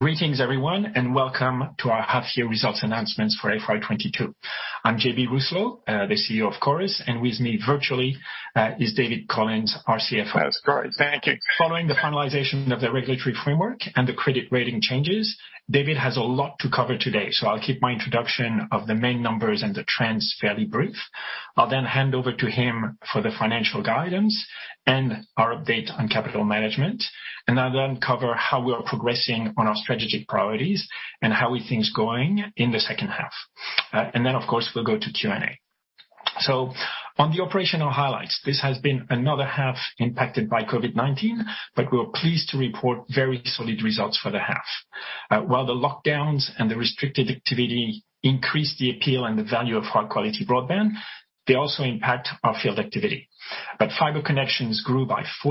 Greetings everyone, and welcome to our half year results announcements for FY 2022. I'm JB Rousselot, the CEO of Chorus, and with me virtually is David Collins, our CFO. That's great. Thank you. Following the finalization of the regulatory framework and the credit rating changes, David has a lot to cover today, so I'll keep my introduction of the main numbers and the trends fairly brief. I'll then hand over to him for the financial guidance and our update on capital management. I'll then cover how we are progressing on our strategic priorities and how we think it's going in the second half. Then of course, we'll go to Q&A. On the operational highlights, this has been another half impacted by COVID-19, but we are pleased to report very solid results for the half. While the lockdowns and the restricted activity increased the appeal and the value of high-quality broadband, they also impact our field activity. Fiber connections grew by 47,000-918,000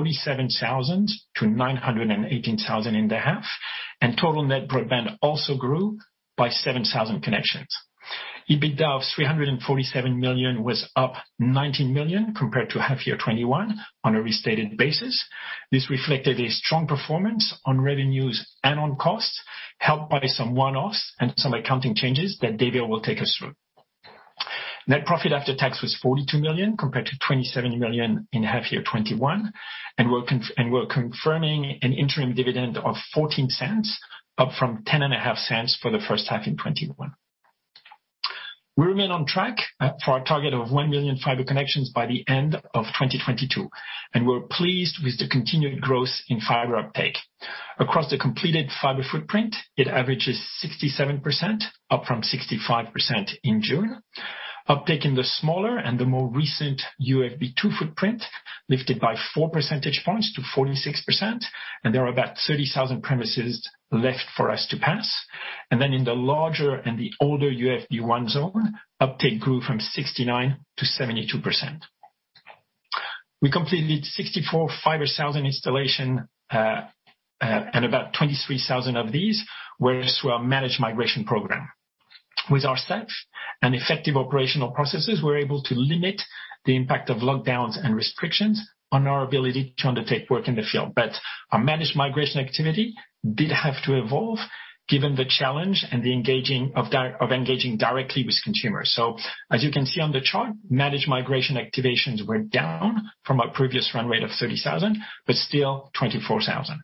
in the half, and total net broadband also grew by 7,000 connections. EBITDA of 347 million was up 19 million compared to half year 2021 on a restated basis. This reflected a strong performance on revenues and on costs, helped by some one-offs and some accounting changes that David will take us through. Net profit after tax was 42 million, compared to 27 million in half year 2021, and we're confirming an interim dividend of 0.14, up from 0.105 for the first half in 2021. We remain on track for our target of one million fiber connections by the end of 2022, and we're pleased with the continued growth in fiber uptake. Across the completed fiber footprint, it averages 67%, up from 65% in June. Uptake in the smaller and the more recent UFB2 footprint lifted by four percentage points to 46%, and there are about 30,000 premises left for us to pass. In the larger and the older UFB1 zone, uptake grew from 69%-72%. We completed 64,000 fiber installations, and about 23,000 of these were through our managed migration program. With our staff and effective operational processes, we're able to limit the impact of lockdowns and restrictions on our ability to undertake work in the field. Our managed migration activity did have to evolve given the challenge of engaging directly with consumers. As you can see on the chart, managed migration activations were down from our previous run rate of 30,000, but still 24,000.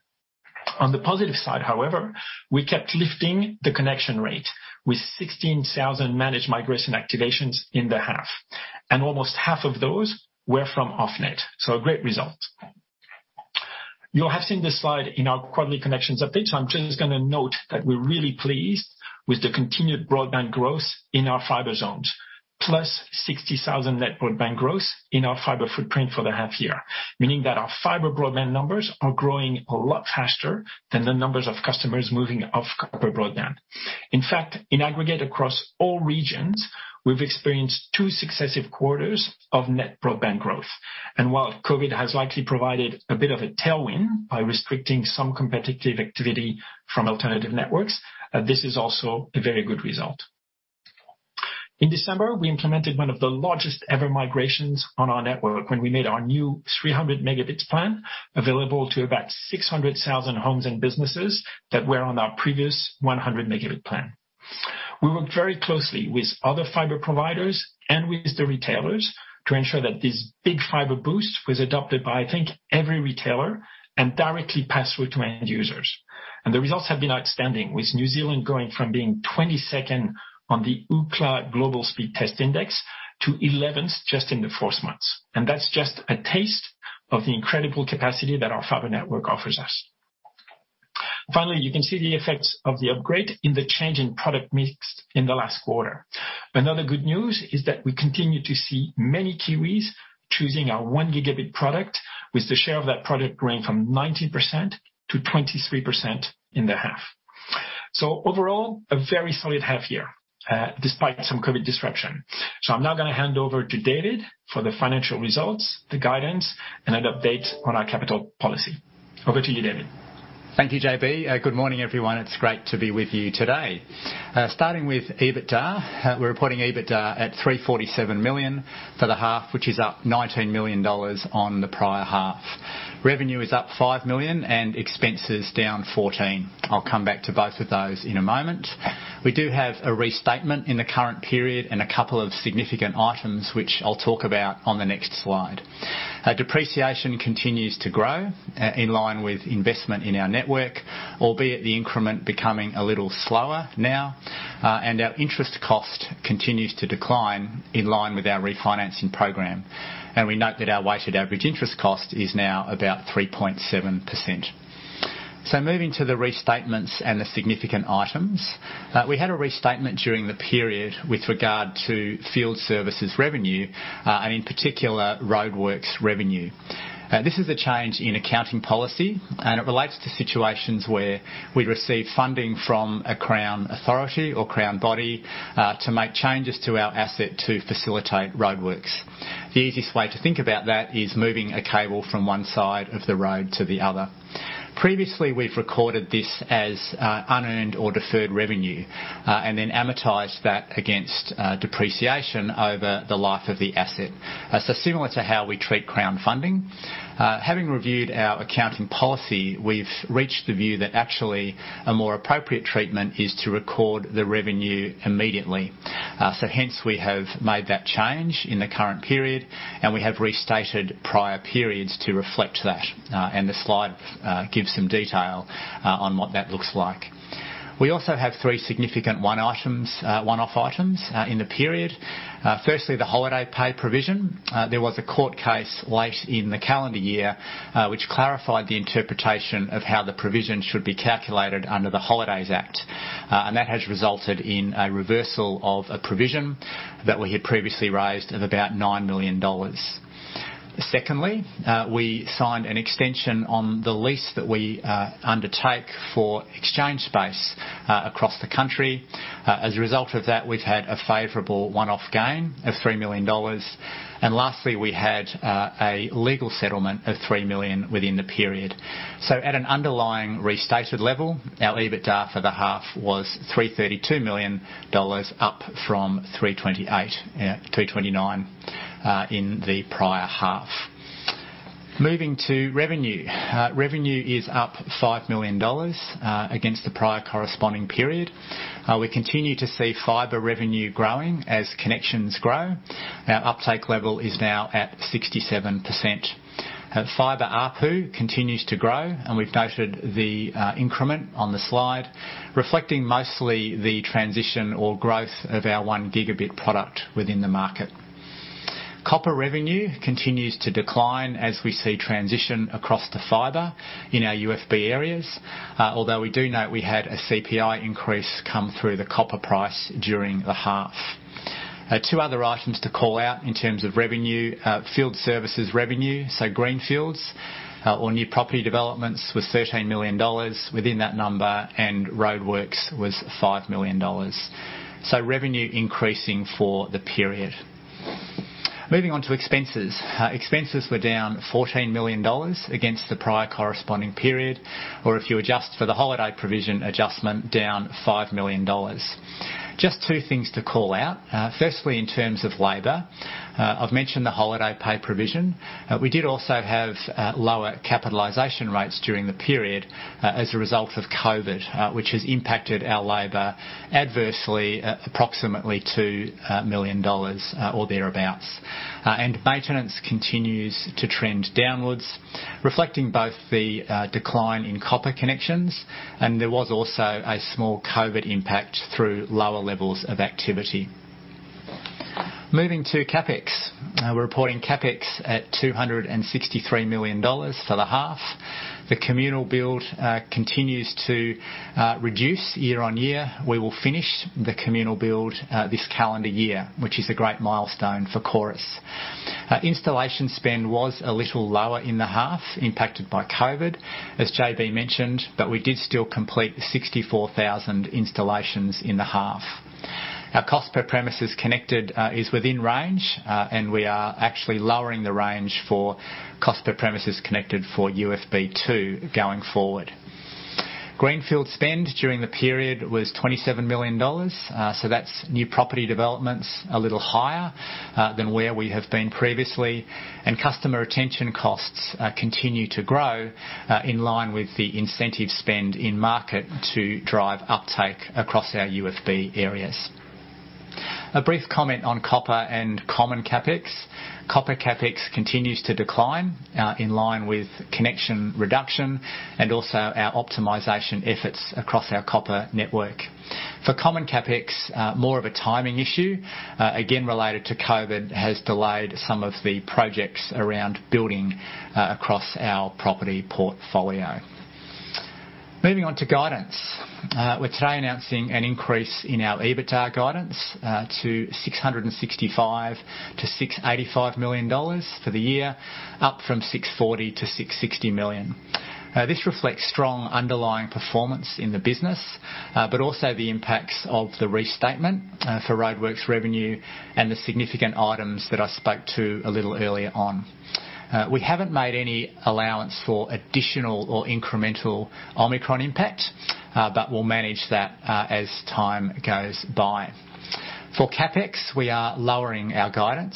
On the positive side, however, we kept lifting the connection rate with 16,000 managed migration activations in the half, and almost half of those were from Off-Net. A great result. You'll have seen this slide in our quarterly connections update, so I'm just gonna note that we're really pleased with the continued broadband growth in our fiber zones, plus 60,000 net broadband growth in our fiber footprint for the half year, meaning that our fiber broadband numbers are growing a lot faster than the numbers of customers moving off copper broadband. In fact, in aggregate across all regions, we've experienced two successive quarters of net broadband growth. While COVID has likely provided a bit of a tailwind by restricting some competitive activity from alternative networks, this is also a very good result. In December, we implemented one of the largest ever migrations on our network when we made our new 300 megabits plan available to about 600,000 homes and businesses that were on our previous 100 megabit plan. We worked very closely with other fiber providers and with the retailers to ensure that this big fiber boost was adopted by, I think, every retailer and directly passed through to end users. The results have been outstanding, with New Zealand going from being 22nd on the Ookla Speedtest Global Index to 11th just in the first months. That's just a taste of the incredible capacity that our fiber network offers us. Finally, you can see the effects of the upgrade in the change in product mix in the last quarter. Another good news is that we continue to see many Kiwis choosing our 1 Gb product with the share of that product growing from 19%-23% in the half. Overall, a very solid half year, despite some COVID disruption. I'm now gonna hand over to David for the financial results, the guidance and an update on our capital policy. Over to you, David. Thank you, JB. Good morning, everyone. It's great to be with you today. Starting with EBITDA, we're reporting EBITDA at 347 million for the half, which is up 19 million dollars on the prior half. Revenue is up 5 million and expenses down 14 million. I'll come back to both of those in a moment. We do have a restatement in the current period and a couple of significant items which I'll talk about on the next slide. Depreciation continues to grow in line with investment in our network, albeit the increment becoming a little slower now, and our interest cost continues to decline in line with our refinancing program. We note that our weighted average interest cost is now about 3.7%. Moving to the restatements and the significant items. We had a restatement during the period with regard to field services revenue, and in particular roadworks revenue. This is a change in accounting policy, and it relates to situations where we receive funding from a Crown authority or Crown body to make changes to our asset to facilitate roadworks. The easiest way to think about that is moving a cable from one side of the road to the other. Previously, we've recorded this as unearned or deferred revenue and then amortized that against depreciation over the life of the asset, similar to how we treat Crown funding. Having reviewed our accounting policy, we've reached the view that actually a more appropriate treatment is to record the revenue immediately. Hence, we have made that change in the current period, and we have restated prior periods to reflect that. The slide gives some detail on what that looks like. We also have three significant one-off items in the period. Firstly, the holiday pay provision. There was a court case late in the calendar year which clarified the interpretation of how the provision should be calculated under the Holidays Act. That has resulted in a reversal of a provision that we had previously raised of about 9 million dollars. Secondly, we signed an extension on the lease that we undertake for exchange space across the country. As a result of that, we've had a favorable one-off gain of 3 million dollars. Lastly, we had a legal settlement of 3 million within the period. At an underlying restated level, our EBITDA for the half was NZD 332 million, up from 329 in the prior half. Moving to revenue. Revenue is up 5 million dollars against the prior corresponding period. We continue to see fiber revenue growing as connections grow. Our uptake level is now at 67%. Our fiber ARPU continues to grow, and we've noted the increment on the slide, reflecting mostly the transition or growth of our 1 gigabit product within the market. Copper revenue continues to decline as we see transition across to fiber in our UFB areas. Although we do note we had a CPI increase come through the copper price during the half. Two other items to call out in terms of revenue, field services revenue, so greenfields or new property developments was 13 million dollars within that number, and roadworks was 5 million dollars. Revenue increasing for the period. Moving on to expenses. Expenses were down 14 million dollars against the prior corresponding period, or if you adjust for the holiday provision adjustment, down 5 million dollars. Just two things to call out. Firstly, in terms of labor, I've mentioned the holiday pay provision. We did also have lower capitalization rates during the period as a result of COVID, which has impacted our labor adversely at approximately 2 million dollars or thereabouts. Maintenance continues to trend downwards, reflecting both the decline in copper connections, and there was also a small COVID impact through lower levels of activity. Moving to CapEx. We're reporting CapEx at 263 million dollars for the half. The communal build continues to reduce year-over-year. We will finish the communal build this calendar year, which is a great milestone for Chorus. Installation spend was a little lower in the half, impacted by COVID, as JB mentioned, but we did still complete 64,000 installations in the half. Our cost per premises connected is within range, and we are actually lowering the range for cost per premises connected for UFB2 going forward. Greenfield spend during the period was 27 million dollars. That's new property developments, a little higher than where we have been previously. Customer retention costs continue to grow in line with the incentive spend in market to drive uptake across our UFB areas. A brief comment on copper and common CapEx. Copper CapEx continues to decline in line with connection reduction and also our optimization efforts across our copper network. For common CapEx, more of a timing issue, again related to COVID, has delayed some of the projects around building across our property portfolio. Moving on to guidance. We're today announcing an increase in our EBITDA guidance to 665 million-685 million dollars for the year, up from 640 million-660 million. This reflects strong underlying performance in the business, but also the impacts of the restatement for roadworks revenue and the significant items that I spoke to a little earlier on. We haven't made any allowance for additional or incremental Omicron impact, but we'll manage that as time goes by. For CapEx, we are lowering our guidance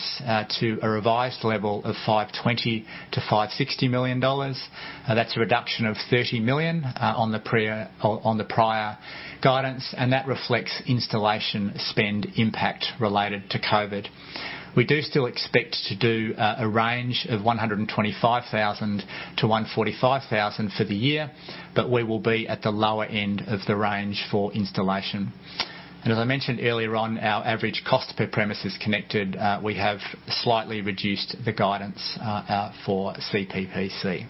to a revised level of 520 million-560 million dollars. That's a reduction of 30 million on the prior guidance, and that reflects installation spend impact related to COVID. We do still expect to do a range of 125,000-145,000 for the year, but we will be at the lower end of the range for installation. As I mentioned earlier on, our average cost per premises connected, we have slightly reduced the guidance for CPPC.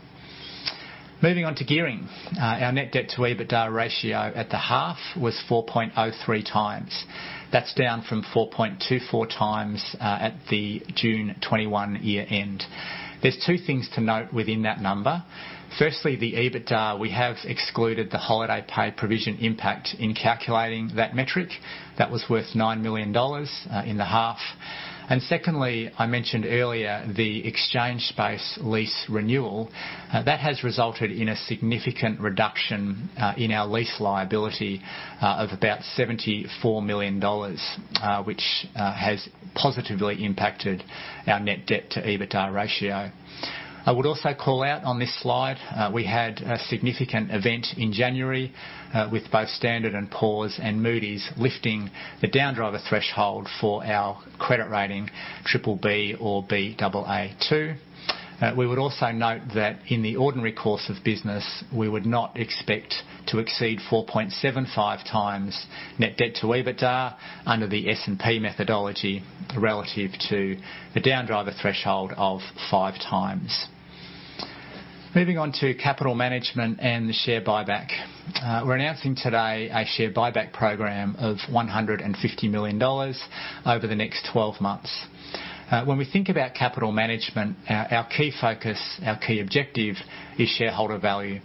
Moving on to gearing. Our net debt to EBITDA ratio at the half was 4.03x. That's down from 4.24x at the June 2021 year end. There's two things to note within that number. First, the EBITDA, we have excluded the holiday pay provision impact in calculating that metric. That was worth 9 million dollars in the half. Second, I mentioned earlier the Exchange Space lease renewal. That has resulted in a significant reduction in our lease liability of about 74 million dollars, which has positively impacted our net debt to EBITDA ratio. I would also call out on this slide, we had a significant event in January, with both Standard & Poor's and Moody's lifting the downgrade threshold for our credit rating BBB or Baa2. We would also note that in the ordinary course of business, we would not expect to exceed 4.75x net debt to EBITDA under the S&P methodology relative to the downgrade threshold of 5x. Moving on to capital management and the share buyback. We're announcing today a share buyback program of 150 million dollars over the next 12 months. When we think about capital management, our key focus, our key objective is shareholder value.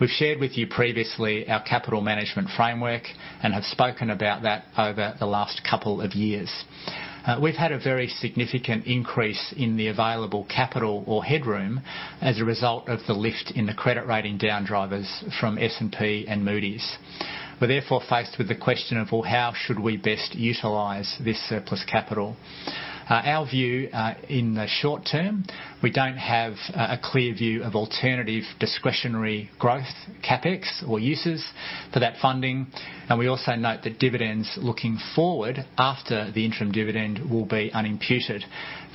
We've shared with you previously our capital management framework and have spoken about that over the last couple of years. We've had a very significant increase in the available capital or headroom as a result of the lift in the credit rating downdrivers from S&P and Moody's. We're therefore faced with the question of, well, how should we best utilize this surplus capital? Our view, in the short term, we don't have a clear view of alternative discretionary growth, CapEx or uses for that funding. We also note that dividends looking forward after the interim dividend will be unimputed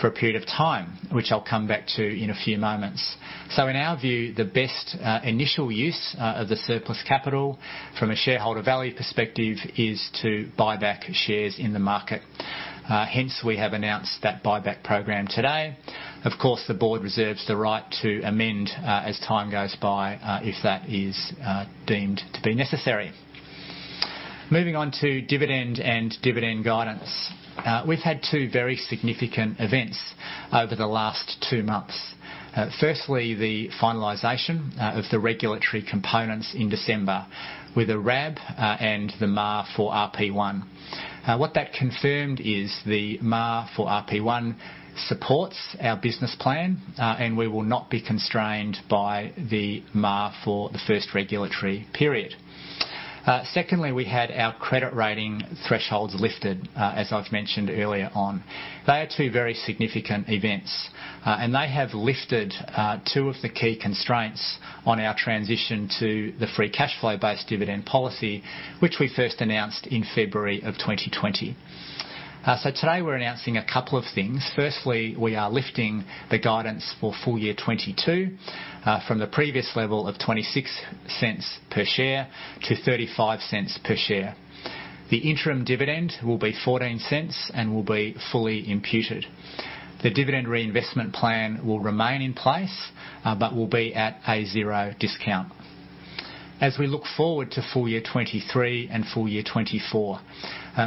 for a period of time, which I'll come back to in a few moments. In our view, the best, initial use, of the surplus capital from a shareholder value perspective is to buy back shares in the market. Hence, we have announced that buyback program today. Of course, the board reserves the right to amend as time goes by if that is deemed to be necessary. Moving on to dividend and dividend guidance. We've had two very significant events over the last two months. Firstly, the finalization of the regulatory components in December with the RAB and the MAA for RP1. What that confirmed is the MAA for RP1 supports our business plan and we will not be constrained by the MAA for the first regulatory period. Secondly, we had our credit rating thresholds lifted as I've mentioned earlier on. They are two very significant events and they have lifted two of the key constraints on our transition to the free cash flow-based dividend policy, which we first announced in February of 2020. Today we're announcing a couple of things. Firstly, we are lifting the guidance for FY 2022 from the previous level of 0.26 per share to 0.35 per share. The interim dividend will be 0.14 and will be fully imputed. The dividend reinvestment plan will remain in place, but will be at a zero discount. As we look forward to FY 2023 and FY 2024,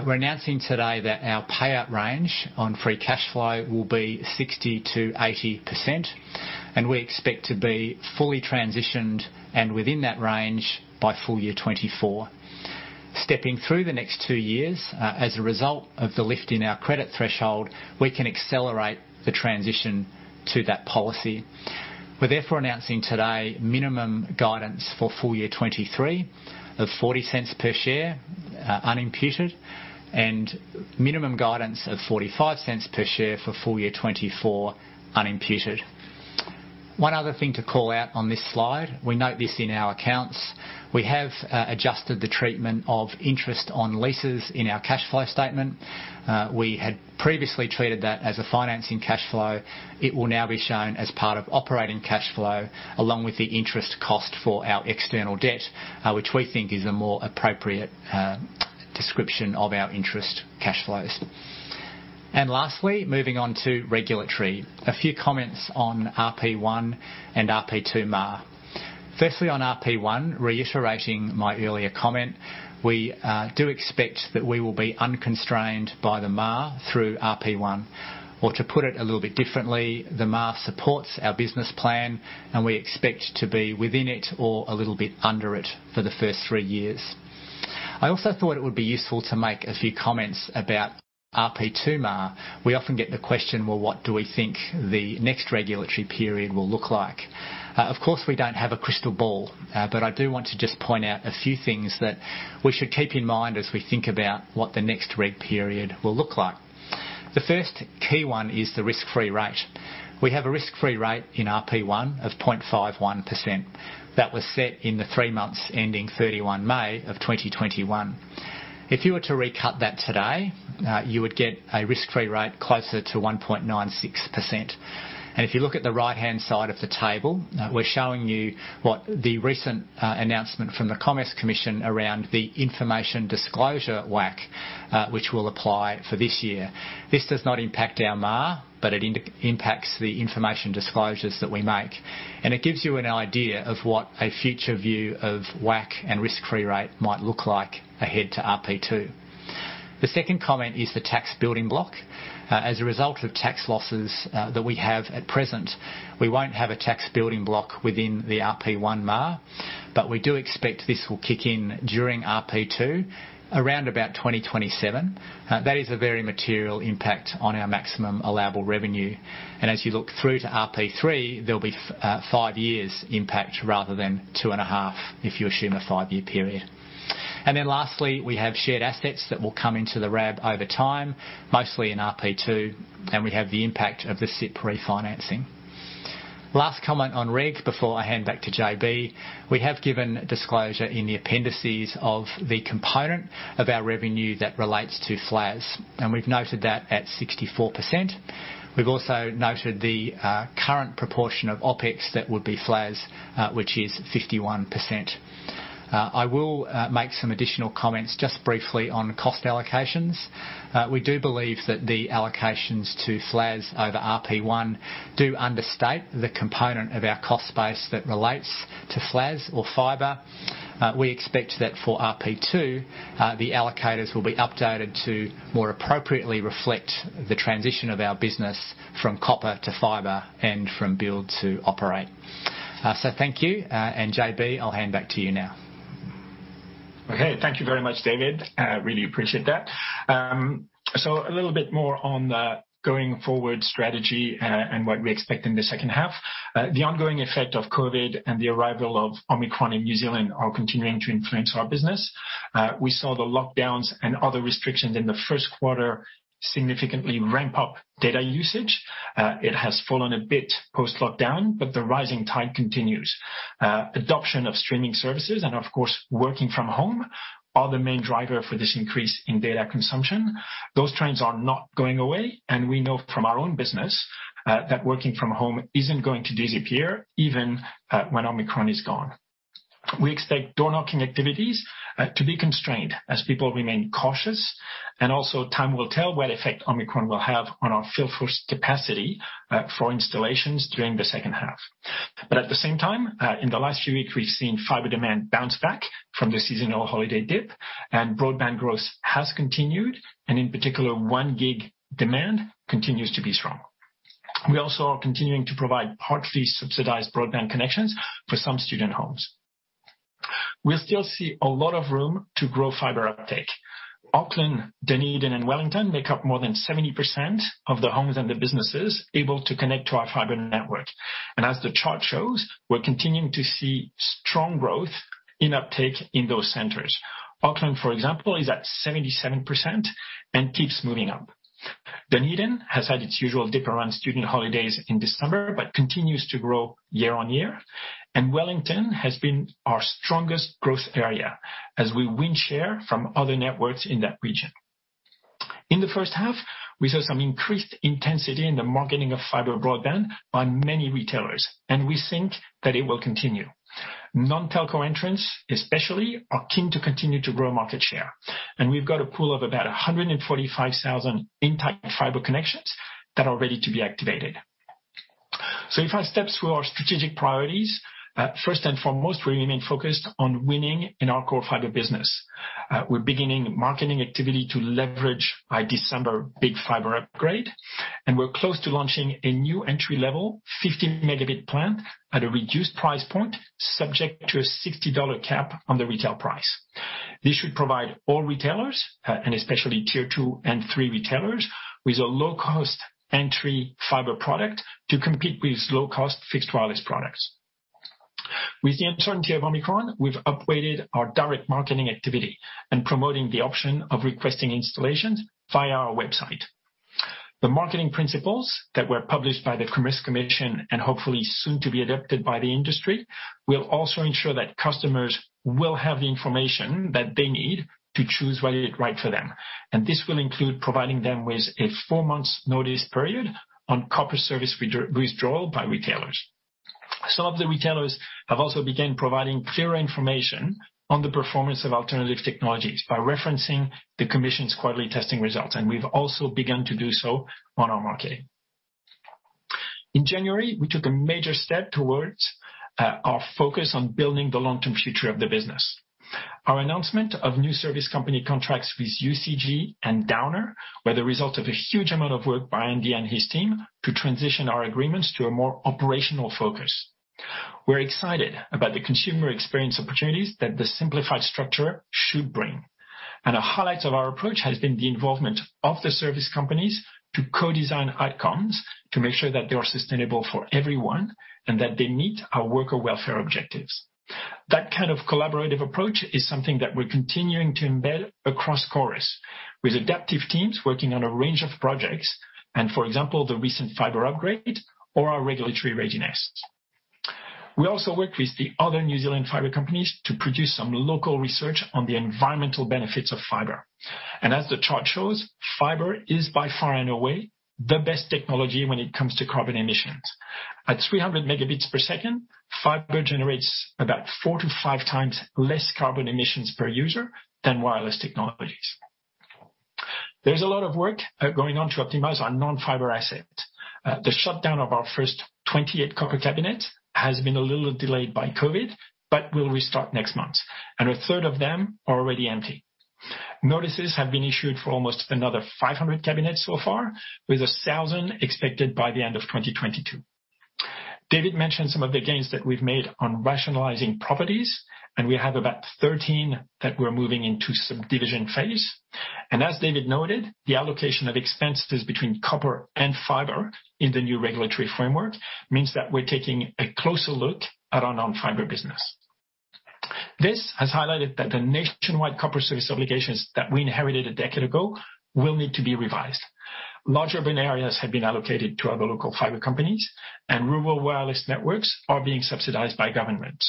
we're announcing today that our payout range on free cash flow will be 60%-80%, and we expect to be fully transitioned and within that range by FY 2024. Stepping through the next two years, as a result of the lift in our credit threshold, we can accelerate the transition to that policy. We're therefore announcing today minimum guidance for full-year 2023 of 0.40 per share, unimputed, and minimum guidance of 0.45 per share for full-year 2024 unimputed. One other thing to call out on this slide, we note this in our accounts. We have adjusted the treatment of interest on leases in our cash flow statement. We had previously treated that as a financing cash flow. It will now be shown as part of operating cash flow along with the interest cost for our external debt, which we think is a more appropriate description of our interest cash flows. Lastly, moving on to regulatory. A few comments on RP1 and RP2 MAA. Firstly, on RP1, reiterating my earlier comment, we do expect that we will be unconstrained by the MAA through RP1. To put it a little bit differently, the MAA supports our business plan, and we expect to be within it or a little bit under it for the first three years. I also thought it would be useful to make a few comments about RP2 MAA. We often get the question, well, what do we think the next regulatory period will look like? Of course, we don't have a crystal ball, but I do want to just point out a few things that we should keep in mind as we think about what the next reg period will look like. The first key one is the risk-free rate. We have a risk-free rate in RP1 of 0.51% that was set in the three months ending 31 May of 2021. If you were to recut that today, you would get a risk-free rate closer to 1.96%. If you look at the right-hand side of the table, we're showing you what the recent announcement from the Commerce Commission around the information disclosure WACC, which will apply for this year. This does not impact our MAA, but it impacts the information disclosures that we make, and it gives you an idea of what a future view of WACC and risk-free rate might look like ahead to RP2. The second comment is the tax building block. As a result of tax losses that we have at present, we won't have a tax building block within the RP1 MAR, but we do expect this will kick in during RP2 around about 2027. That is a very material impact on our maximum allowable revenue. As you look through to RP3, there'll be five years impact rather than 2.5, if you assume a five-year period. Lastly, we have shared assets that will come into the RAB over time, mostly in RP2, and we have the impact of the CIP refinancing. Last comment on reg before I hand back to JB. We have given disclosure in the appendices of the component of our revenue that relates to FLAS, and we've noted that at 64%. We've also noted the current proportion of OpEx that would be FLAS, which is 51%. I will make some additional comments just briefly on cost allocations. We do believe that the allocations to FLAS over RP 1 do understate the component of our cost base that relates to FLAS or fiber. We expect that for RP 2, the allocators will be updated to more appropriately reflect the transition of our business from copper to fiber and from build to operate. Thank you, and JB, I'll hand back to you now. Okay. Thank you very much, David. Really appreciate that. A little bit more on the going-forward strategy, and what we expect in the second half. The ongoing effect of COVID and the arrival of Omicron in New Zealand are continuing to influence our business. We saw the lockdowns and other restrictions in the first quarter significantly ramp up data usage. It has fallen a bit post-lockdown, but the rising tide continues. Adoption of streaming services and, of course, working from home are the main driver for this increase in data consumption. Those trends are not going away, and we know from our own business, that working from home isn't going to disappear even, when Omicron is gone. We expect door-knocking activities to be constrained as people remain cautious, and also time will tell what effect Omicron will have on our field force capacity for installations during the second half. At the same time, in the last few weeks, we've seen fiber demand bounce back from the seasonal holiday dip, and broadband growth has continued, and in particular, 1 gig demand continues to be strong. We also are continuing to provide partially subsidized broadband connections for some student homes. We still see a lot of room to grow fiber uptake. Auckland, Dunedin, and Wellington make up more than 70% of the homes and the businesses able to connect to our fiber network. As the chart shows, we're continuing to see strong growth in uptake in those centers. Auckland, for example, is at 77% and keeps moving up. Dunedin has had its usual dip around student holidays in December but continues to grow year on year. Wellington has been our strongest growth area as we win share from other networks in that region. In the first half, we saw some increased intensity in the marketing of fiber broadband by many retailers, and we think that it will continue. Non-telco entrants especially are keen to continue to grow market share, and we've got a pool of about 145,000 inactive fiber connections that are ready to be activated. If I step through our strategic priorities, first and foremost, we remain focused on winning in our core fiber business. We're beginning marketing activity to leverage our December big fiber upgrade, and we're close to launching a new entry-level 50 Mbps plan at a reduced price point, subject to a 60 dollar cap on the retail price. This should provide all retailers, and especially tier two and three retailers, with a low-cost entry fiber product to compete with low-cost fixed wireless products. With the uncertainty of Omicron, we've upweighted our direct marketing activity and promoting the option of requesting installations via our website. The marketing principles that were published by the Commerce Commission, and hopefully soon to be adopted by the industry, will also ensure that customers will have the information that they need to choose what is right for them. This will include providing them with a four-month notice period on copper service withdrawal by retailers. Some of the retailers have also begun providing clearer information on the performance of alternative technologies by referencing the Commission's quarterly testing results, and we've also begun to do so on our marketing. In January, we took a major step towards our focus on building the long-term future of the business. Our announcement of new service company contracts with UCG and Downer were the result of a huge amount of work by Andy and his team to transition our agreements to a more operational focus. We're excited about the consumer experience opportunities that the simplified structure should bring. A highlight of our approach has been the involvement of the service companies to co-design outcomes to make sure that they are sustainable for everyone and that they meet our worker welfare objectives. That kind of collaborative approach is something that we're continuing to embed across Chorus with adaptive teams working on a range of projects and, for example, the recent fiber upgrade or our regulatory readiness. We also work with the other New Zealand fiber companies to produce some local research on the environmental benefits of fiber. As the chart shows, fiber is by far and away the best technology when it comes to carbon emissions. At 300 Mbps, fiber generates about 4x-5x less carbon emissions per user than wireless technologies. There's a lot of work going on to optimize our non-fiber assets. The shutdown of our first 28 copper cabinets has been a little delayed by COVID, but will restart next month, and a third of them are already empty. Notices have been issued for almost another 500 cabinets so far, with 1,000 expected by the end of 2022. David mentioned some of the gains that we've made on rationalizing properties, and we have about 13 that we're moving into subdivision phase. As David noted, the allocation of expenses between copper and fiber in the new regulatory framework means that we're taking a closer look at our non-fiber business. This has highlighted that the nationwide copper service obligations that we inherited a decade ago will need to be revised. Large urban areas have been allocated to other local fiber companies, and rural wireless networks are being subsidized by government.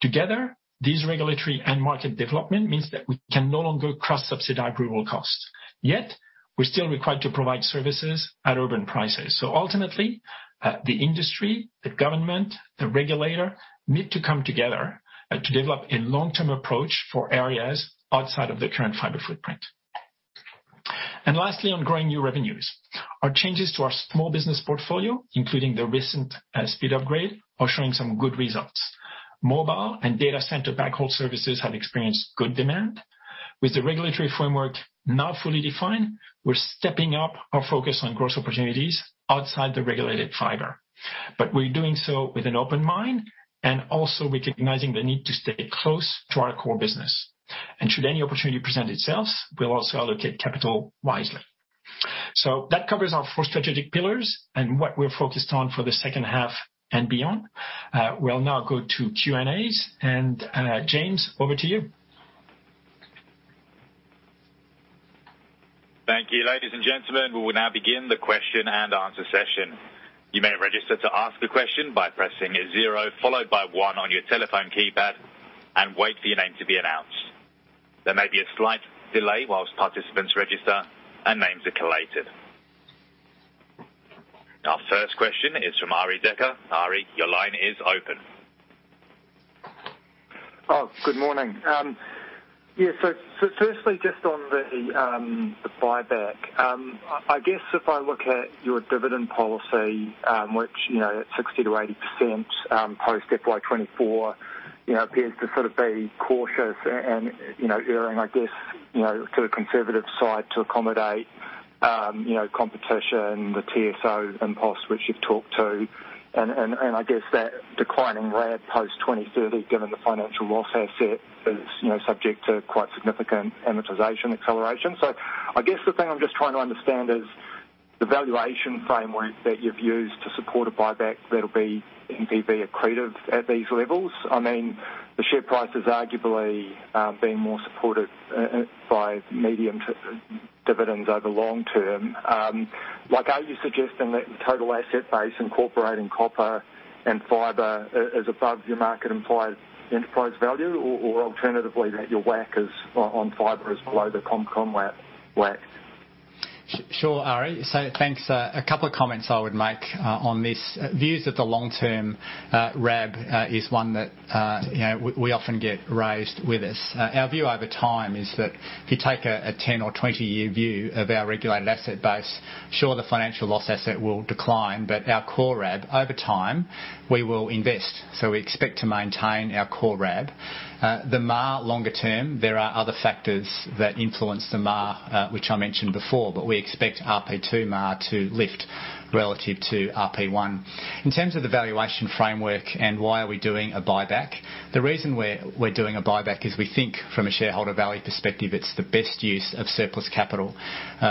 Together, these regulatory and market development means that we can no longer cross-subsidize rural costs. Yet, we're still required to provide services at urban prices. Ultimately, the industry, the government, the regulator need to come together to develop a long-term approach for areas outside of the current fiber footprint. Lastly, on growing new revenues. Our changes to our small business portfolio, including the recent speed upgrade, are showing some good results. Mobile and data center backhaul services have experienced good demand. With the regulatory framework not fully defined, we're stepping up our focus on growth opportunities outside the regulated fiber. We're doing so with an open mind and also recognizing the need to stay close to our core business. Should any opportunity present itself, we'll also allocate capital wisely. That covers our four strategic pillars and what we're focused on for the second half and beyond. We'll now go to Q&As. James, over to you. Thank you. Ladies and gentlemen, we will now begin the question-and-answer session. You may register to ask a question by pressing zero followed by one on your telephone keypad and wait for your name to be announced. There may be a slight delay while participants register and names are collated. Our first question is from Arie Dekker. Ari, your line is open. Oh, good morning. Yeah, firstly just on the buyback. I guess if I look at your dividend policy, which, you know, at 60%-80%, post FY 2024, you know, appears to sort of be cautious and, you know, erring, I guess, you know, to a conservative side to accommodate, you know, competition, the TSO impulse, which you've talked to. I guess that declining RAB post 2030, given the financial loss asset is, you know, subject to quite significant amortization acceleration. I guess the thing I'm just trying to understand is the valuation framework that you've used to support a buyback that'll be NPV accretive at these levels. I mean, the share price has arguably been more supported by medium-term dividends over long term. Like, are you suggesting that the total asset base incorporating copper and fiber is above your market implied enterprise value or, alternatively, that your WACC on fiber is below the CommCom WACC? Sure, Ari. Thanks. A couple of comments I would make on this. Views of the long term RAB is one that we often get raised with us. Our view over time is that if you take a 10- or 20-year view of our regulated asset base, sure, the financial loss asset will decline, but our core RAB over time, we will invest. We expect to maintain our core RAB. The MAR longer term, there are other factors that influence the MAR which I mentioned before, but we expect RP2 MAR to lift relative to RP1. In terms of the valuation framework and why are we doing a buyback, the reason we're doing a buyback is we think from a shareholder value perspective, it's the best use of surplus capital.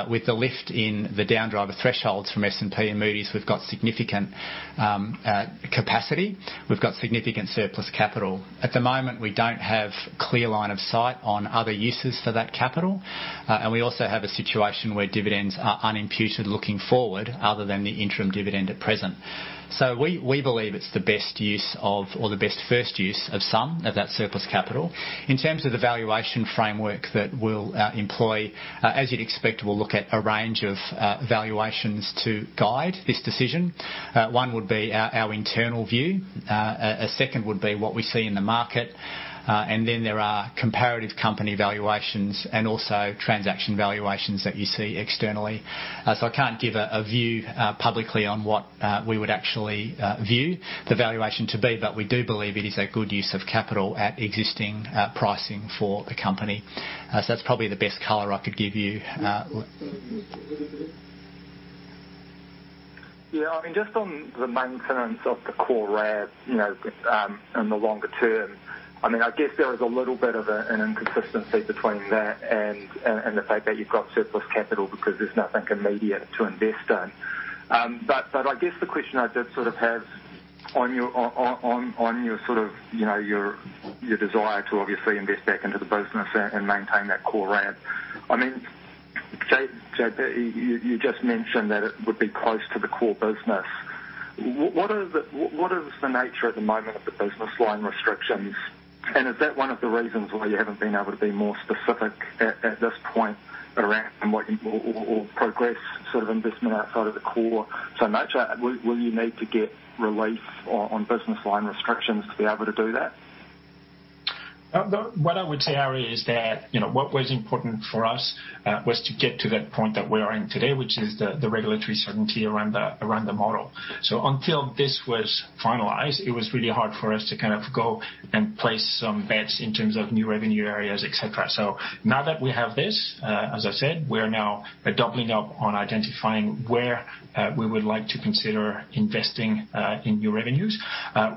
With the lift in the downgrade thresholds from S&P and Moody's, we've got significant capacity. We've got significant surplus capital. At the moment, we don't have clear line of sight on other uses for that capital. We also have a situation where dividends are unimputed looking forward other than the interim dividend at present. We believe it's the best use of or the best first use of some of that surplus capital. In terms of the valuation framework that we'll employ, as you'd expect, we'll look at a range of valuations to guide this decision. One would be our internal view. A second would be what we see in the market. There are comparative company valuations and also transaction valuations that you see externally. I can't give a view publicly on what we would actually view the valuation to be, but we do believe it is a good use of capital at existing pricing for the company. That's probably the best color I could give you. Yeah. I mean, just on the maintenance of the core RAB, you know, in the longer term, I mean, I guess there is a little bit of an inconsistency between that and the fact that you've got surplus capital because there's nothing immediate to invest in. I guess the question I did sort of have on your on your sort of, you know, your desire to obviously invest back into the business and maintain that core RAB. I mean, JB Rousselot, you just mentioned that it would be close to the core business. What is the nature at the moment of the business line restrictions? Is that one of the reasons why you haven't been able to be more specific at this point around or progress sort of investment outside of the core? In a nutshell, will you need to get relief on business line restrictions to be able to do that? What I would say, Ari, is that, you know, what was important for us was to get to that point that we are in today, which is the regulatory certainty around the model. Until this was finalized, it was really hard for us to kind of go and place some bets in terms of new revenue areas, et cetera. Now that we have this, as I said, we are now doubling up on identifying where we would like to consider investing in new revenues.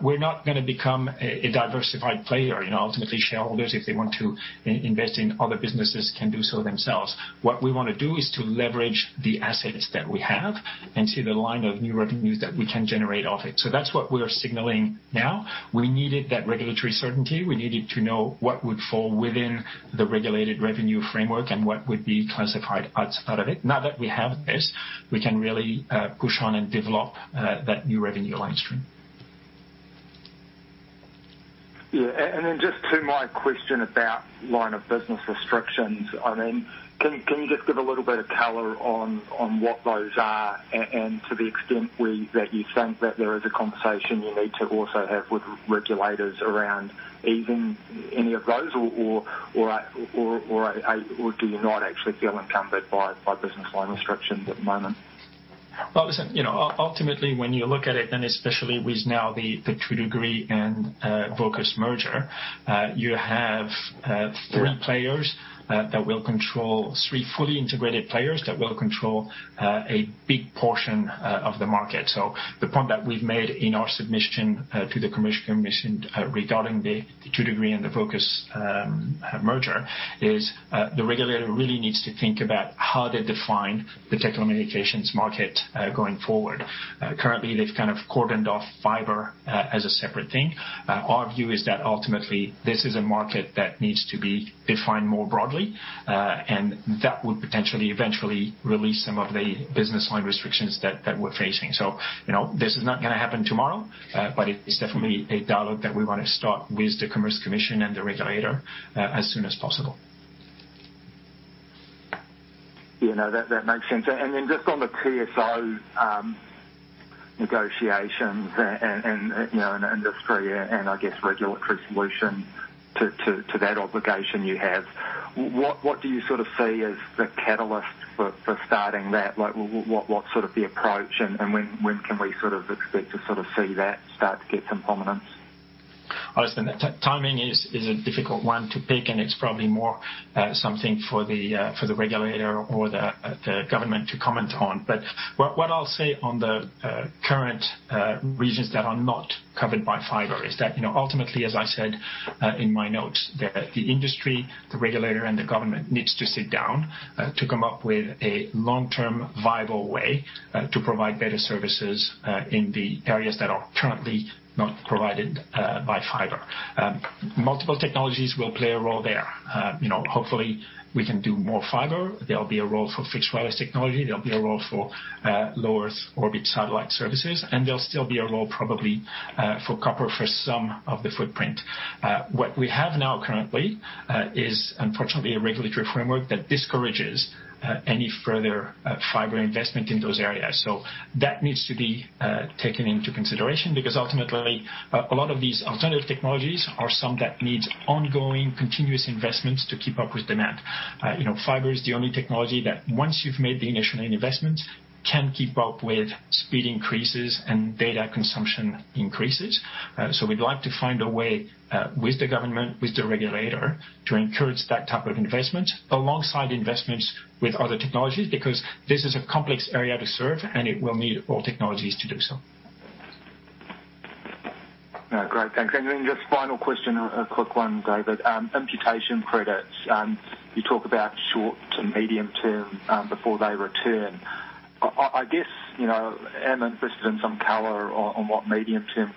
We're not gonna become a diversified player. You know, ultimately, shareholders, if they want to invest in other businesses, can do so themselves. What we wanna do is to leverage the assets that we have and see the line of new revenues that we can generate off it. That's what we are signaling now. We needed that regulatory certainty. We needed to know what would fall within the regulated revenue framework and what would be classified out of it. Now that we have this, we can really push on and develop that new revenue stream. Just to my question about line of business restrictions. I mean, can you just give a little bit of color on what those are and to the extent that you think that there is a conversation you need to also have with regulators around easing any of those or do you not actually feel encumbered by business line restrictions at the moment? Well, listen, you know, ultimately when you look at it, and especially with now the 2degrees and Vocus merger, you have three fully integrated players that will control a big portion of the market. The point that we've made in our submission to the Commerce Commission regarding the 2degrees and the Vocus merger is the regulator really needs to think about how they define the telecommunications market going forward. Currently, they've kind of cordoned off fiber as a separate thing. Our view is that ultimately this is a market that needs to be defined more broadly, and that would potentially eventually release some of the business line restrictions that we're facing. You know, this is not gonna happen tomorrow, but it is definitely a dialogue that we wanna start with the Commerce Commission and the regulator, as soon as possible. Yeah. No, that makes sense. Then just on the TSO negotiations and, you know, and industry and, I guess, regulatory solution to that obligation you have, what do you sort of see as the catalyst for starting that? Like, what's sort of the approach and when can we sort of expect to sort of see that start to get some prominence? Listen, the timing is a difficult one to pick, and it's probably more something for the regulator or the government to comment on. What I'll say on the current regions that are not covered by fiber is that, you know, ultimately, as I said in my notes, the industry, the regulator, and the government needs to sit down to come up with a long-term viable way to provide better services in the areas that are currently not provided by fiber. Multiple technologies will play a role there. You know, hopefully we can do more fiber. There'll be a role for fixed wireless technology. There'll be a role for low Earth orbit satellite services, and there'll still be a role probably for copper for some of the footprint. What we have now currently is unfortunately a regulatory framework that discourages any further fiber investment in those areas. That needs to be taken into consideration because ultimately a lot of these alternative technologies are some that needs ongoing continuous investments to keep up with demand. You know, fiber is the only technology that once you've made the initial investment, can keep up with speed increases and data consumption increases. We'd like to find a way with the government, with the regulator, to encourage that type of investment alongside investments with other technologies, because this is a complex area to serve, and it will need all technologies to do so. No, great. Thanks. Just final question, a quick one, David. Imputation credits. You talk about short to medium term before they return. I guess you know am interested in some color on what medium term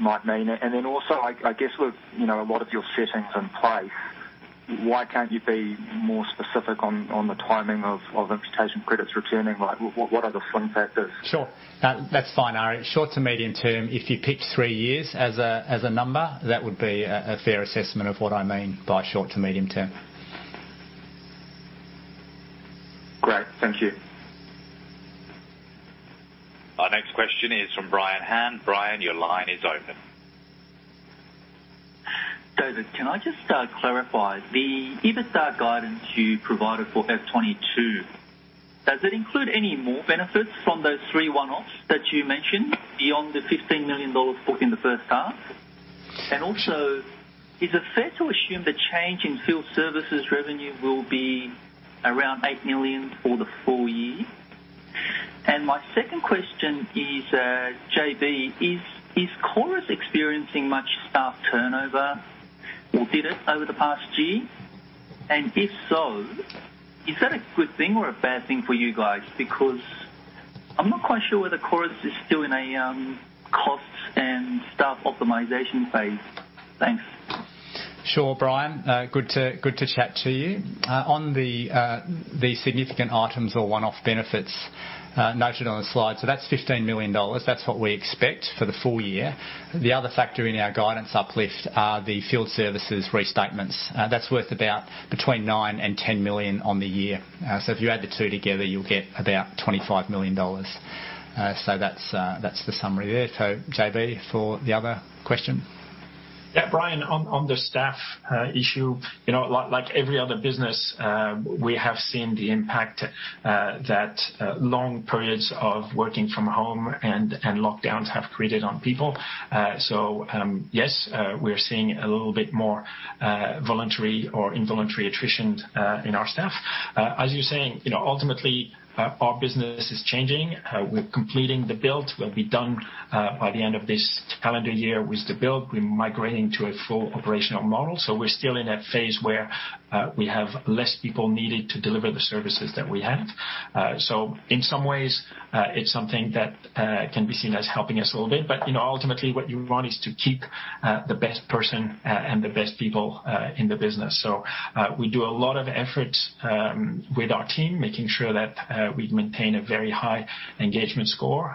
might mean. I guess with you know a lot of your settings in place, why can't you be more specific on the timing of imputation credits returning? Like, what are the swing factors? Sure. That's fine, Arie. Short to medium term, if you pick three years as a number, that would be a fair assessment of what I mean by short to medium term. Great. Thank you. Our next question is from Brian Han. Brian, your line is open. David, can I just clarify. The EBITDA guidance you provided for FY 2022, does it include any more benefits from those three one-offs that you mentioned beyond the 15 million dollars booked in the first half? Also, is it fair to assume the change in field services revenue will be around 8 million for the full-year? My second question is, JB, is Chorus experiencing much staff turnover, or did it over the past year? If so, is that a good thing or a bad thing for you guys? Because I'm not quite sure whether Chorus is still in a cost and staff optimization phase. Thanks. Sure, Brian. Good to chat to you. On the significant items or one-off benefits noted on the slide. That's 15 million dollars. That's what we expect for the full-year. The other factor in our guidance uplift are the field services restatements. That's worth about between 9 million and 10 million for the year. If you add the two together, you'll get about 25 million dollars. That's the summary there. JB for the other question. Yeah, Brian, on the staff issue. You know, like every other business, we have seen the impact that long periods of working from home and lockdowns have created on people. Yes, we're seeing a little bit more voluntary or involuntary attrition in our staff. As you're saying, you know, ultimately, our business is changing. We're completing the build. We'll be done by the end of this calendar year with the build. We're migrating to a full operational model. We're still in that phase where we have less people needed to deliver the services that we have. In some ways, it's something that can be seen as helping us a little bit. You know, ultimately, what you want is to keep the best person and the best people in the business. We do a lot of effort with our team, making sure that we maintain a very high engagement score.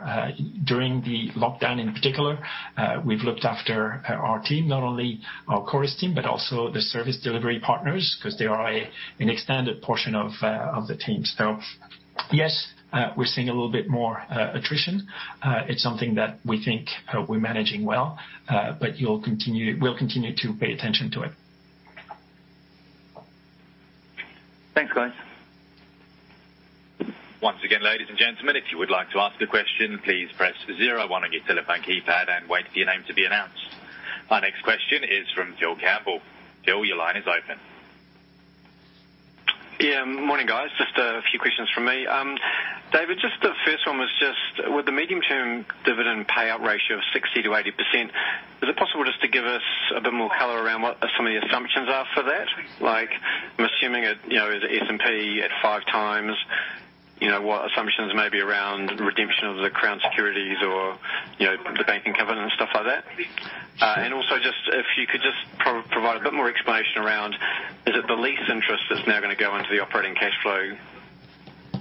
During the lockdown, in particular, we've looked after our team. Not only our Chorus team, but also the service delivery partners, 'cause they are an extended portion of the team. Yes, we're seeing a little bit more attrition. It's something that we think we're managing well, but we'll continue to pay attention to it. Thanks, guys. Once again, ladies and gentlemen, if you would like to ask a question, please press zero one on your telephone keypad and wait for your name to be announced. Our next question is from Phil Campbell. Phil, your line is open. Yeah. Morning, guys. Just a few questions from me. David, just the first one was just with the medium-term dividend payout ratio of 60%-80%, is it possible just to give us a bit more color around what some of the assumptions are for that? Like, I'm assuming it, you know, is S&P at 5x. You know, what assumptions may be around redemption of the Crown securities or, you know, the banking covenant and stuff like that. And also just if you could just provide a bit more explanation around, is it the lease interest that's now gonna go into the operating cash flow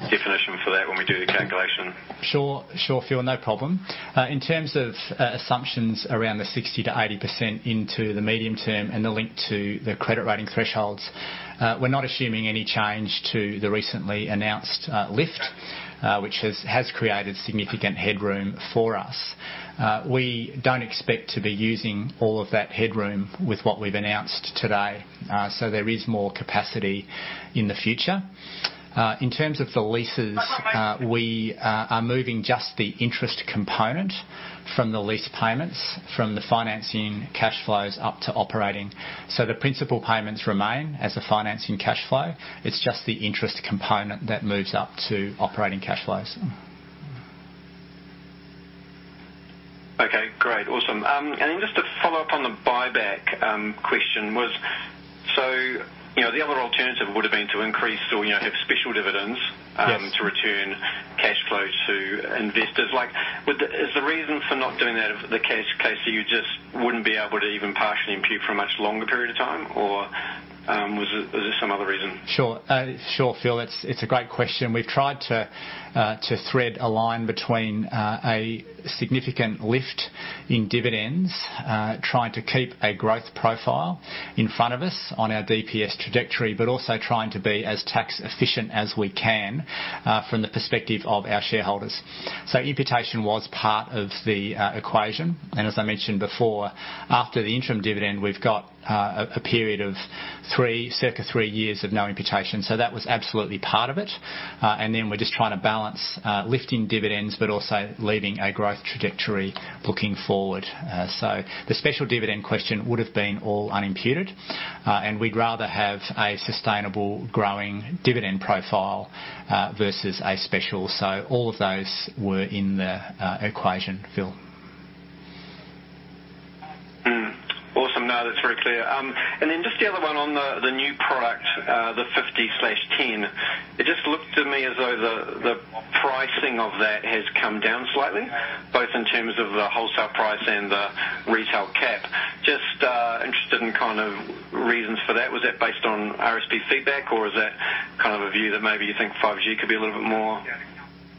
definition for that when we do the calculation? Sure, Phil. No problem. In terms of assumptions around the 60%-80% into the medium term and the link to the credit rating thresholds, we're not assuming any change to the recently announced lift, which has created significant headroom for us. We don't expect to be using all of that headroom with what we've announced today. There is more capacity in the future. In terms of the leases, we are moving just the interest component from the lease payments from the financing cash flows up to operating. The principal payments remain as a financing cash flow. It's just the interest component that moves up to operating cash flows. Okay, great. Awesome. Just to follow up on the buyback, question was so, you know, the other alternative would've been to increase or, you know, have special dividends. Like, is the reason for not doing that in the case that you just wouldn't be able to even partially impute for a much longer period of time or, is there some other reason? Sure, Phil. It's a great question. We've tried to thread a line between a significant lift in dividends, trying to keep a growth profile in front of us on our DPS trajectory, but also trying to be as tax efficient as we can from the perspective of our shareholders. Imputation was part of the equation. As I mentioned before, after the interim dividend, we've got a period of circa three years of no imputation. That was absolutely part of it. Then we're just trying to balance lifting dividends but also leaving a growth trajectory looking forward. The special dividend question would've been all unimputed, and we'd rather have a sustainable growing dividend profile versus a special. All of those were in the equation, Phil. Awesome. No, that's very clear. Just the other one on the new product, the 50/10. It just looked to me as though the pricing of that has come down slightly, both in terms of the wholesale price and the retail cap. Just interested in kind of reasons for that. Was that based on RSP feedback, or is that kind of a view that maybe you think 5G could be a little bit more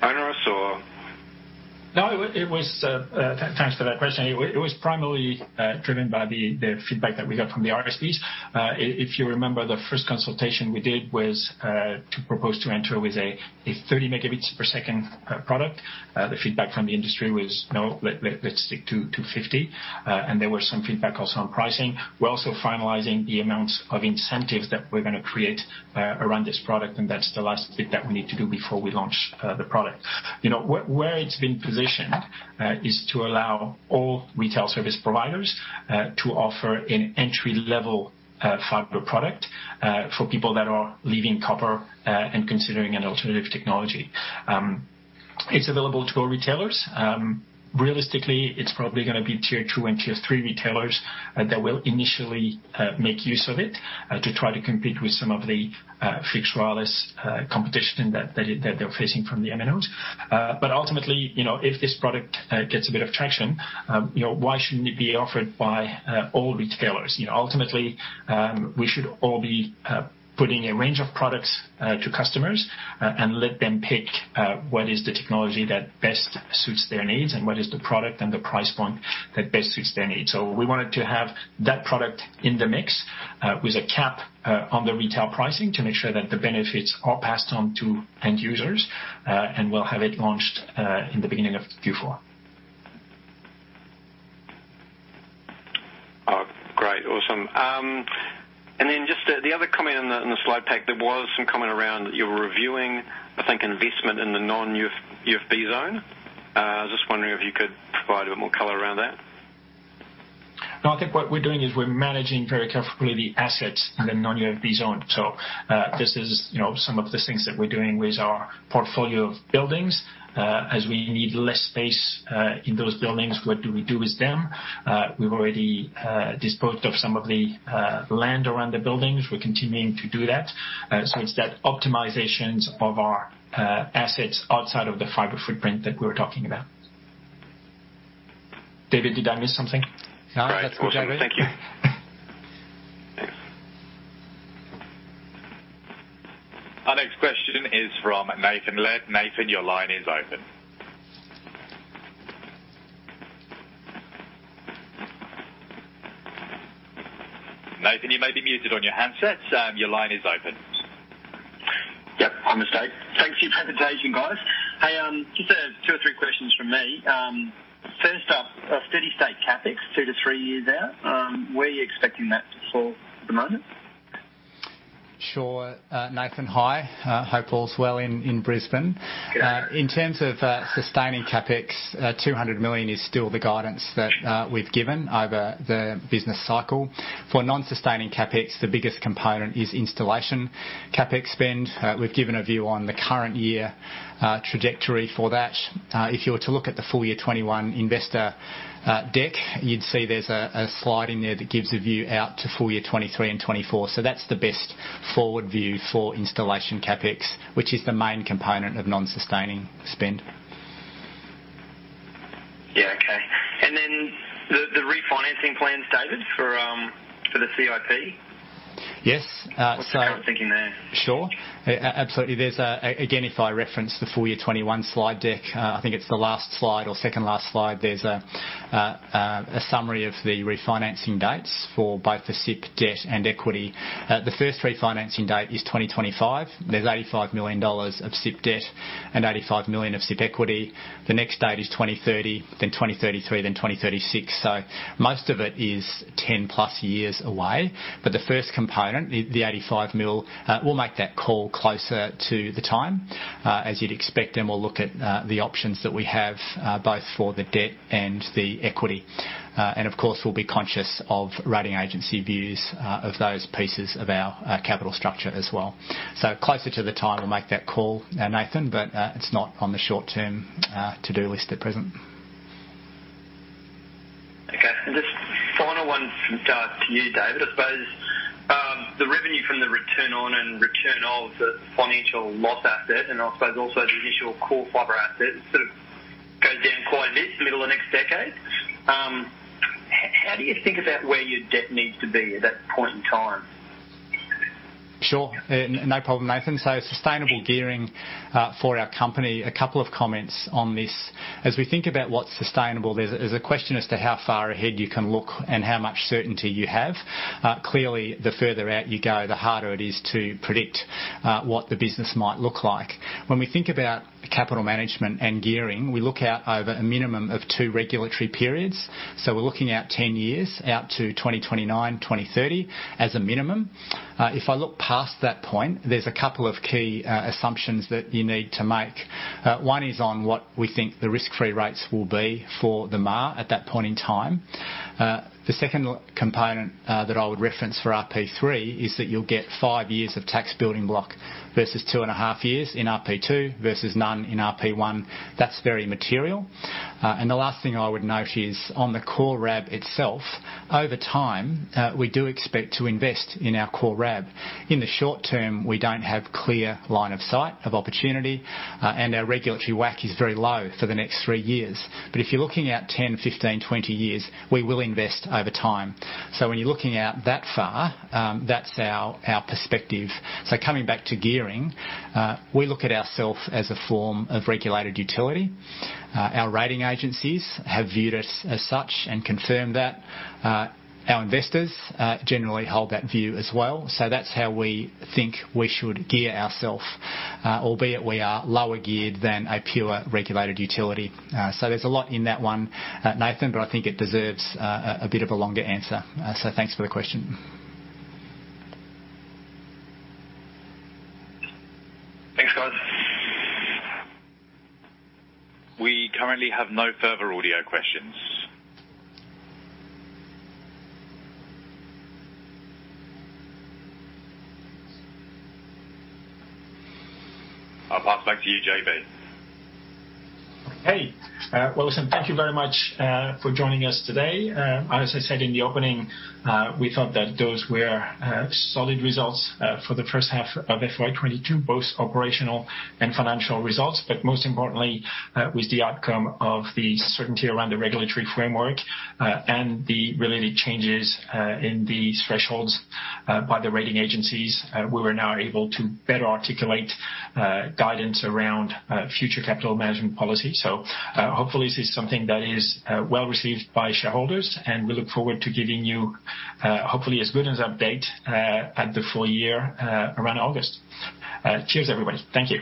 onerous? No, it was. Thanks for that question. It was primarily driven by the feedback that we got from the RSPs. If you remember, the first consultation we did was to propose to enter with a 30 Mbps product. The feedback from the industry was, "No, let's stick to 50." There were some feedback also on pricing. We're also finalizing the amount of incentives that we're gonna create around this product, and that's the last bit that we need to do before we launch the product. You know, where it's been positioned is to allow all retail service providers to offer an entry-level fiber product for people that are leaving copper and considering an alternative technology. It's available to all retailers. Realistically, it's probably gonna be tier two and tier three retailers that will initially make use of it to try to compete with some of the fixed wireless competition that they're facing from the MNOs. Ultimately, you know, if this product gets a bit of traction, you know, why shouldn't it be offered by all retailers? You know, ultimately, we should all be putting a range of products to customers and let them pick what is the technology that best suits their needs and what is the product and the price point that best suits their needs. We wanted to have that product in the mix with a cap on the retail pricing to make sure that the benefits are passed on to end users. We'll have it launched in the beginning of Q4. Great. Awesome. Just the other comment on the slide pack, there was some comment around you reviewing, I think, investment in the non-UFB zone. Just wondering if you could provide a bit more color around that. No, I think what we're doing is we're managing very carefully the assets in the non-UFB zone. This is, you know, some of the things that we're doing with our portfolio of buildings. As we need less space in those buildings, what do we do with them? We've already disposed of some of the land around the buildings. We're continuing to do that. It's that optimizations of our assets outside of the fiber footprint that we were talking about. David, did I miss something? No. That's good. JB. Thank you. Our next question is from Nathan Lead. Nathan, your line is open. Nathan, you may be muted on your handsets. Your line is open. Yep, my mistake. Thanks for your presentation, guys. Hey, just two or three questions from me. First up, steady-state CapEx two to three years out, where are you expecting that to fall at the moment? Sure. Nathan, hi. Hope all is well in Brisbane. Yeah. In terms of sustaining CapEx, 200 million is still the guidance that we've given over the business cycle. For non-sustaining CapEx, the biggest component is installation CapEx spend. We've given a view on the current year trajectory for that. If you were to look at the full-year 2021 investor deck, you'd see there's a slide in there that gives a view out to full-year 2023 and 2024. That's the best forward view for installation CapEx, which is the main component of non-sustaining spend. Yeah. Okay. The refinancing plans, David, for the CIP. Yes. What's the current thinking there? Sure. Absolutely. Again, if I reference the full-year 2021 slide deck, I think it's the last slide or second last slide, there's a summary of the refinancing dates for both the CIP debt and equity. The first refinancing date is 2025. There's 85 million dollars of CIP debt and 85 million of CIP equity. The next date is 2030, then 2033, then 2036. So most of it is 10+ years away. The first component, the 85 million, we'll make that call closer to the time, as you'd expect, and we'll look at the options that we have, both for the debt and the equity. Of course, we'll be conscious of rating agency views of those pieces of our capital structure as well. Closer to the time, we'll make that call, Nathan, but it's not on the short term to-do list at present. Okay. Just final one to you, David. I suppose the revenue from the return on and return of the financial loss asset, and I suppose also the initial core fiber asset sort of goes down quite a bit middle of next decade. How do you think about where your debt needs to be at that point in time? Sure. No problem, Nathan. Sustainable gearing for our company, a couple of comments on this. As we think about what's sustainable, there's a question as to how far ahead you can look and how much certainty you have. Clearly, the further out you go, the harder it is to predict what the business might look like. When we think about capital management and gearing, we look out over a minimum of two regulatory periods. We're looking out 10 years out to 2029, 2030 as a minimum. If I look past that point, there's a couple of key assumptions that you need to make. One is on what we think the risk-free rates will be for the MAR at that point in time. The second component that I would reference for RP3 is that you'll get five years of tax building block versus 2.5 years in RP2 versus none in RP1. That's very material. The last thing I would note is on the core RAB itself, over time, we do expect to invest in our core RAB. In the short term, we don't have clear line of sight of opportunity, and our regulatory WACC is very low for the next three years. If you're looking at 10, 15, 20 years, we will invest over time. When you're looking out that far, that's our perspective. Coming back to gearing, we look at ourselves as a form of regulated utility. Our rating agencies have viewed us as such and confirmed that. Our investors generally hold that view as well. That's how we think we should gear ourself, albeit we are lower geared than a pure regulated utility. There's a lot in that one, Nathan, but I think it deserves a bit of a longer answer. Thanks for the question. Thanks, guys. We currently have no further audio questions. I'll pass back to you, JB. Well, listen, thank you very much for joining us today. As I said in the opening, we thought that those were solid results for the first half of FY 2022, both operational and financial results. Most importantly, with the certainty around the outcome of the regulatory framework, and the related changes in these thresholds by the rating agencies, we are now able to better articulate guidance around future capital management policy. Hopefully, this is something that is well received by shareholders, and we look forward to giving you hopefully as good an update at the full-year around August. Cheers, everybody. Thank you.